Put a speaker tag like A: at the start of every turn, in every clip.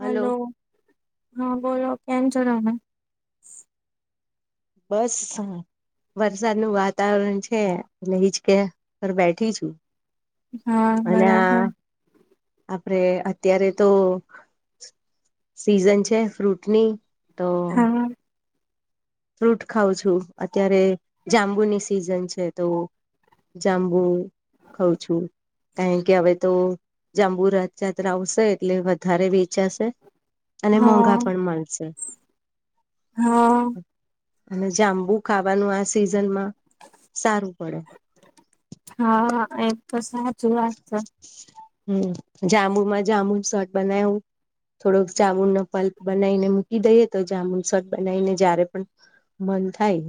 A: Hello હા બોલોલો કેન ચાલના.
B: બસ હા. વરસાદ નું વાતાવરણ છેલે હજ કે ઘ બેઠી છું.
A: હા
B: અને આ
A: બરાબર.
B: આપડે અત્યારે તો સીઝન છે, ફ્રૂટની તો
A: હા
B: ફ્રૂટ ખઉં છું, અત્યારે જાંબુની સિઝન છે, તો જાંબુ ખઉં છું. કારણ કે હવે, તો જાંબુ રથયાત્રા આવશે એટલે વધારે વેચાશે અને મોંઘા,
A: હા
B: પણ મળશે
A: હા
B: અને જાંબુ ખાવાનુ આ સિઝનમા, સારું પડે
A: હા, એમ તો સાચી વાત છે
B: હમ, જાંબુમા જાંબુ શોટ બનાવું થોડોક જાામુનનોો પલ્પ બનાવીને મૂકી દઈએ, તો જાામુન સટ બનાવીને જય્યારે પણ પણ થાય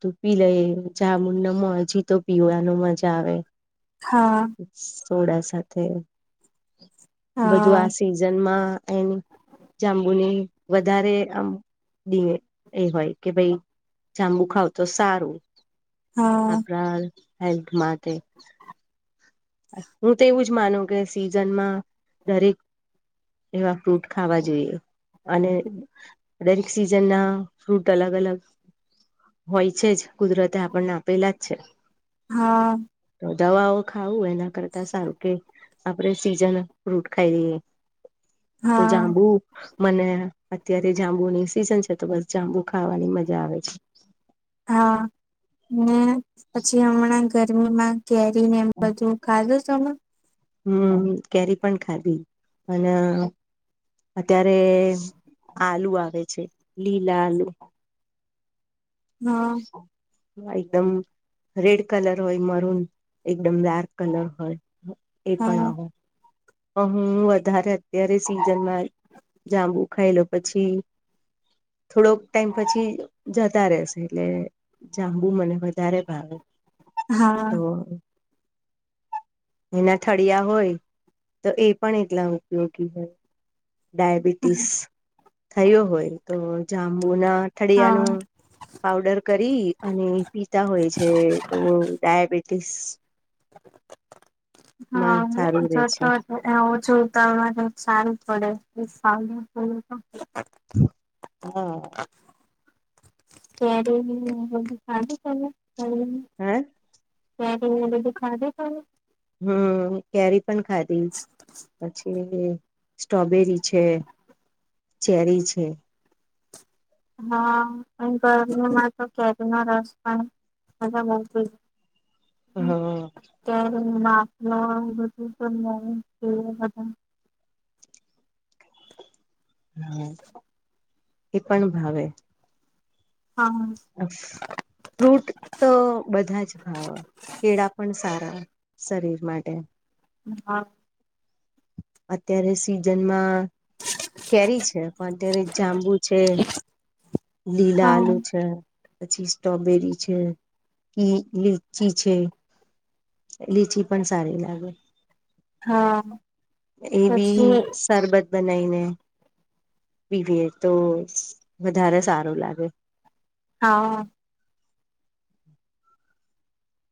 B: તું પી લઈ જા મડમ હજી, તો પીવવાનું મજા આવે
A: હા.
B: થોડા સાથે બધું,
A: હા
B: આ સિઝનમા એની જાંબુની. વધારે આમ એ હોય, કે ભાઈ જાંબુ ખાવ તો સારું.
A: હા
B: આપણા હેલ્થ માટે. હું તો એવું જ માનું કે સિઝનમાં દરેક. એવા ફ્રૂટ ખાવા જોઈએ. અને દરેક સિઝનના ફ્રૂટ અલગ, અલગ. હોય છેજ, કુદરતે આપણને આપેલા જ છે
A: હા.
B: તો દવાઓ ખાવું એના કરતા સારું કે આપણે સીઝન ફ્રૂટ, ખાઈ લઈએ. તો
A: હા
B: જાંબુ. મને અત્યારે જાંબુની સિઝન છે, તો બસ જાંબુ ખાવાની મજા આવે છે.
A: હા, પછી હમણાં ગરમીમાં. કેરી, ને એમ બધું ખાધો.
B: હમ, કેરી પણ ખાધી અને. અત્યારે આલુ આવે છે, લીલા આલુ.
A: હા.
B: એકદમ રેડ કલર હોય, મરૂન એકદમ ડાર્ક કલર હોય. એ પણ
A: હા
B: આવો. હું, વધારે અત્યારે સીઝનમાં જાંબુ ખાઈલો પછી. થોડોક ટાઈમ પછી જતા, રહેશે એટલે જાંબુ મને વધારે ભાવે.
A: હા.
B: તો એના થળિયા હોય, તો એ પણ એટલા ઉપયોગી હોય. ડાયાબિટીસ થયો હોય, તો
A: હા
B: જાંબુનાઠળિયાનું. પઉડર કરી અને પીતા હોય છે, તો ડાયાબિટીસ. માં
A: હા,
B: સારું રે છે
A: જતો એ ઓછું ઉતાારવા સારું પડે. એ સા તો.
B: હા.
A: ત્યારેુંધું ખાધું પ.
B: હા
A: ત્યારે, બધું ખાધે ખું.
B: હમ, ક્યારે પણ ખાધી પછી. સ્ટ્રોબેરી છે, ચેરી છે.
A: હા, અને ગરમીમાં તો કેરી નો રસ પણ. હા, હા બકુલ.
B: હા.
A: ના બધું તો બધા.
B: હા એ પણ ભાવે. આછા. ફ્રૂટ તો બધા જ ખાવ કેળા પણ સારા. શરીર માટે.
A: હા.
B: અત્યારે સિઝનમાં. કેરી છે પણ અત્યારે જાંબુ છે. લીલા
A: હા
B: આલુ છે. પછી સ્ટ્રોબેરી છે કે લીચી છે. લીચી પણ સારી લાગે.
A: હા
B: એવી
A: પછી
B: સરબત બનાઈને. પીવી તો વધારે સારું લાગે.
A: હા.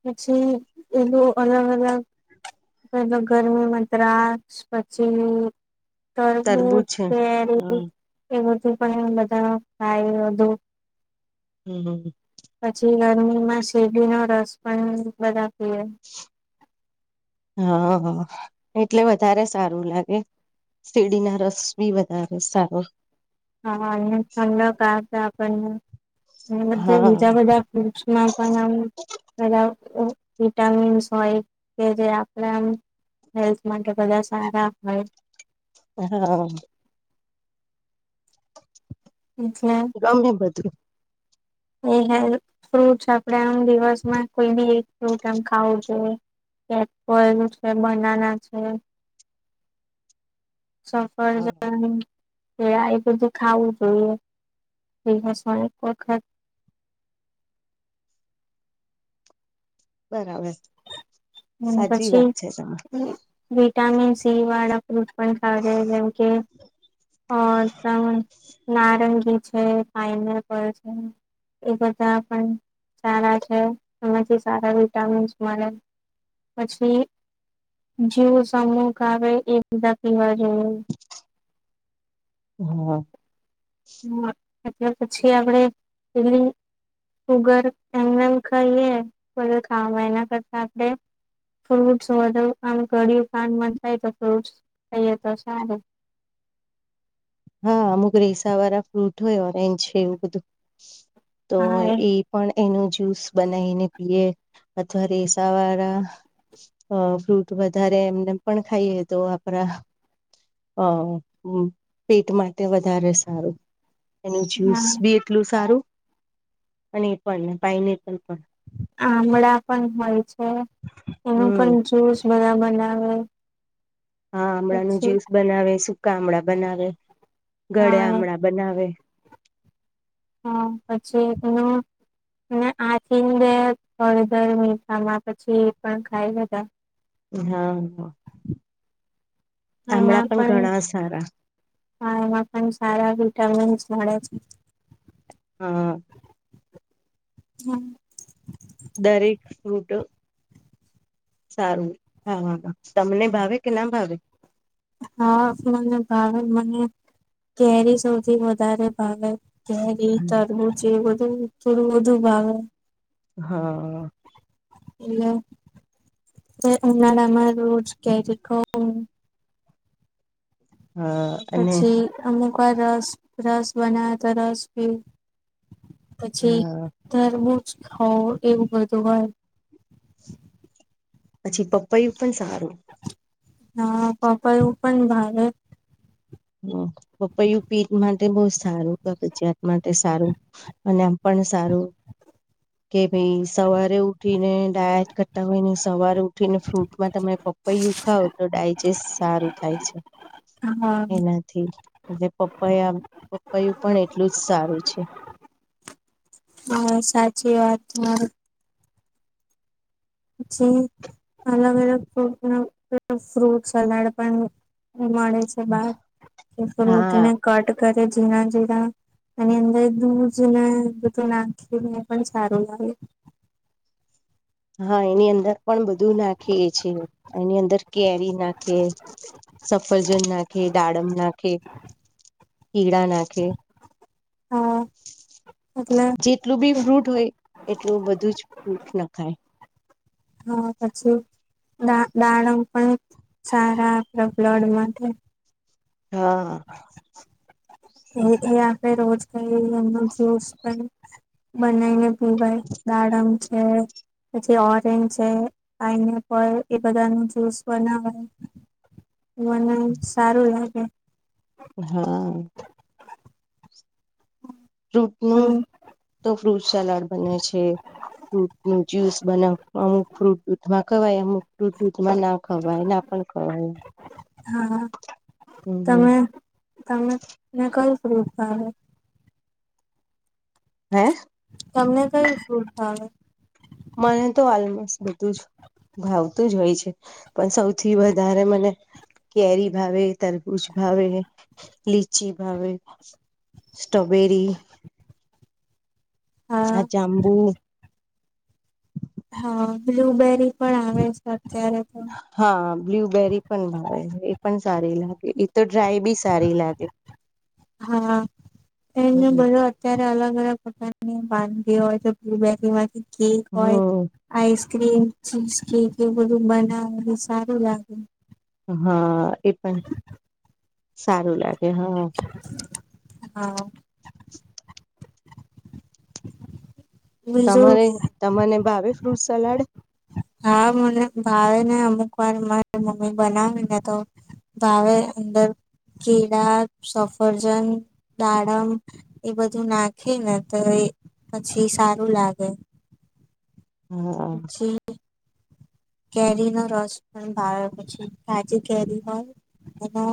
A: પછી એનું અલગ અલગ. પેલો ગરમી મદ્રાસ પછી. તરબૂજ કેરી
B: હમ
A: એ બધું પણ બધા. હ દું.
B: હમ હમ.
A: પછી ગરમીમાં શેડી નો રસ પણ બનાતીએ.
B: હા એટલે વધારે સારું લાગે. સીડી ના રસ બી વધારે સારો.
A: હા અને ઠંડ ક આપણને. બધ
B: હા
A: બીજા બધા ફૂટ્સમાં પણ બ. ભીટામિ સય કે જે આપખલા. હેલ્થ માટે બધા સારા હોય.
B: હા.
A: એટલે
B: ગમે બધું.
A: એ હેલ્થ ફ્રૂટ આપણેે આમ દિવસમાં કોઈ બી એક ફ્રૂટ આમ ખાવું જોઈએ. કેપપલ છે બનાના છે. સફર જર્ની. એ એ બધું ખાવું જોઈએસ એક વખત.
B: બરાબર.
A: અને
B: સાચી
A: પછી
B: વાત છે તમા
A: વિટામિન સી વાળા. ફટ પણ ખ છે જેમ કે ત નારંગી. છે ફઇનલ પર છે. એ બધા પણ સારા છે એમાંથી સારા વિટામિન્સ મળે. પછી. જેવું સમમુક આવે એ બીધા પીવા જોએ.
B: હમ્મ.
A: હ એટલે પછી આપડે એલી. શુગર એમને એમ ખાઈએ પ ખવા એના કરતા આપડણે. ફ્રૂટસ વધ આમ ઘળય કંડ થાય તો ફ્રૂટ ખાઈએ તો સારું.
B: હા અમુક રેસા વાળા ફ્રૂટ હોય ઓરેન્જ છે એવું બધું. તો એ પણ. એનો જ્યુસ બનાવીને પીએ અથવા રેસા વાળા. અ ફ્રૂટ વધારે એમને પણ ખાઈએ તો આપણા. હા હમ. પેટ માટે વધારે સારું એનું જ્યુસ
A: હા
B: બી એટલું સારું. અને એ પણને ભાઈને પણ પણ.
A: આમળા પણ હોય છે એનું
B: હમ
A: પણ જુસ બધા બનાવે.
B: હા આમળા ન
A: પછી
B: જ્યુસ બનાવે સકા આમળા બનાવે ગળે
A: હા
B: આમળા બનાવે.
A: હા પછી એનું અને આથી બે હળદર મીઠામાં પછી પણ ખાય બધા.
B: હા હ.
A: એમાં પણ હા એમાં પણ સારા વિટામિ. [unintelligible]
B: હા
A: હમ
B: દરેક ફ્રૂટ. સારું હા હા હા તમને ભાવે કે ના ભાવે.
A: હા મને ભાવે મને કેરી સૌથી વધારે ભાવે. કેરી તરબું છે બધું થોડું બધું ભાવે.
B: હા.
A: એલે ઉનાળમાં રોડ કે રખ.
B: હા અને
A: પછી અમુક વા રસ રસ બનાવે તો રસ ભી પછી ધ. હો એવું બધું હોય.
B: પછી પપૈું પણ સારું.
A: હા પપ્પા એવું પણ ભારે.
B: હ પપ્પૈું પીઠ માટે બહ સારું કગજિયાત માટે સારું અને આમ પણ. તન સારું. કે ભાઈ સવારે ઉઠીને ડાયટ કરતા હોય ને સવારે ઉઠી ને ફ્રૂટમાં તમે પપાઈું. દુખાવો તો ડાયજેસ્ટ સારું થાય છે.
A: હ હા
B: એનાથી. એટલે પપ્પાયા પપ્પાયું પણ એટલું જ સારું છે.
A: હા સાચી વાત તમારી. જે અલગ અલગ ફ્રૂટ સલાડ પણ. મળે છે બાર કે ફ્રૂટ
B: હા
A: ને કટ કરે જઝીણા જઝીણા. એની અંદર દૂધ ને બધું નાખીને પણ સારું લાગે.
B: હા એની અંદર પણ બધું નાખીએ છેીએ એની અંદર કેરી નાખે સફરજન નાખે દાડમ નાખે કીડા નાખે.
A: હા એટલે
B: જેટલું બી ફ્રૂટ હોય એટલું બધું જ ફૂટ ન ખાય
A: હા પછી. ા દાડમ પણ સારા આપડા બ્લડ માટે
B: હા.
A: એ એ આપણે રોજ ક એ જ્યુસ પણ બનાવીને. ભાઈ દાડમ છે. પછી ઓરેન્જ છે પાઇનેપલ એ બધા ન જ્યુસ બનાવે. મને સારું લાગે.
B: હા. ફ્રૂટ નું તો ફ્રૂટ સલાડ બને છે. ફ્રૂટ નું જ્યુસ બનાવ અમુક ફ્રૂટ દૂધમાં ખવા અમુક ફ્રૂટ દૂધમાં ના ખવાય ના પણ. ખવાય
A: હા
B: હમ
A: તમે તમે ને ક. હ હા હ.
B: હમ્મ.
A: તમને કઈ ફૂલ થાવ.
B: મને તો આલમસ બધું જ. ભાવતું જ હોય છે પણ સૌથી વધારે મને. કેરી ભાવે તરબૂજ ભાવે લીચી ભાવે. સ્ટ્રોબૅરી.
A: હા
B: આજાંબુ.
A: હા બ્લુબેરી. પણ આવે છે અત્યારે તો
B: હા બ્લબેરી પણ ભાવ છે એ પણ સારી લાગે. તો ડ્રાય બી સારી લાગે
A: હા એને
B: હમ
A: બધ અત્યારે અલગ. [unintelligible] કેક હોય.
B: હમ
A: ક્રીમ ચી કે એવું બધું બનાવ એ સારું લાગે.
B: હા એ પણ સારું લાગે હા.
A: હા. બીજું
B: તમારે તને ભાવે ફ્રૂટ સલાડ.
A: હા મને ભાવે ને અમુક વાર મારી મમ્મી બનાવીને તો. ભાવે અંદર. કેળા સફરજન દાડમ એ બધું નાખે ને તો એ. પછી સારું લાગે.
B: હમ્મ.
A: કેરી નો રસ પણ ભાવ પછી આજે કેરી હોય. એનો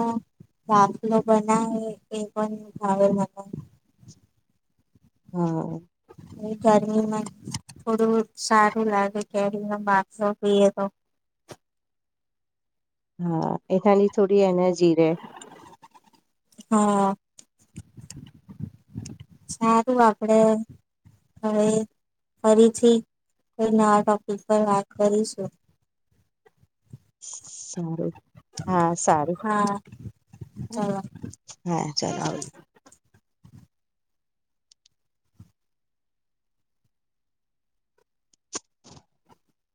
A: બાાતલો બના એ પણ ખાવે મને.
B: હા.
A: ગરમીમાં થોડું સારું લાગે કેરી બાપો પીએ તો.
B: હા એ તાની થોડી એનર્જી રહે રહે.
A: હા સારું આપડે. હવે ફરીથી કોઈ ન ટોપિક પર વાત કરીશું
B: સારું. હા સારું
A: હા ચાલો
B: હા ચાલ.